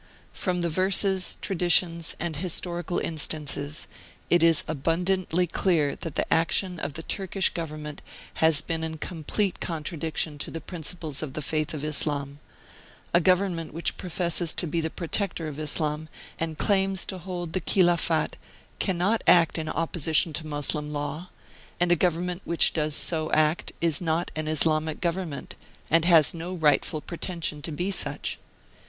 From the Verses, Traditions, and historical in stances, it is abundantly clear that the action of the Turkish Government has been in complete contra diction to the principles of the Faith of Islam; a Government which professes to be the protector of Islam, and claims to hold the Khildfat, cannot act in opposition to Moslem law; and a Government which does so act is not an Islamic Government, and has no rightful pretension to be such.